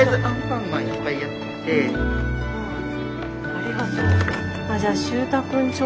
ありがとう。